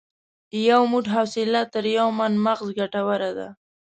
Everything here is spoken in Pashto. یو موټ حوصله تر یو من مغز ګټوره ده.